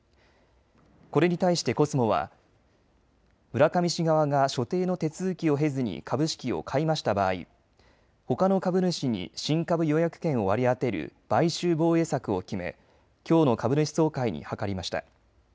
これに対してコスモは村上氏側が所定の手続きを経ずに株式を買い増した場合、ほかの株主に新株予約権を割り当てる買収防衛策を決めきょうの株主総会に諮りました。